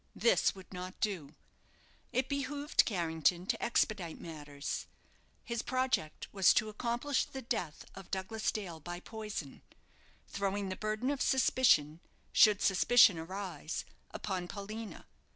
This would not do. It behoved Carrington to expedite matters. His project was to accomplish the death of Douglas Dale by poison, throwing the burthen of suspicion should suspicion arise upon Paulina.